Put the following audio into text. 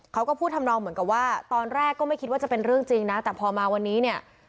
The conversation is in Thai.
เขาก็พูดทำนองเหมือนกับว่าตอนแรกก็ไม่คิดว่าจะเป็นเรื่องจริงนะแต่พอมาวันนี้เนี่ย